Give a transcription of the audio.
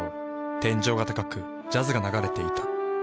天井が高くジャズが流れていた。